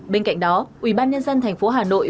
bên cạnh đó ủy ban nhân dân tp hà nội